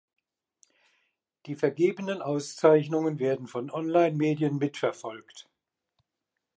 Die vergebenen Auszeichnungen werden von Online-Medien mitverfolgt.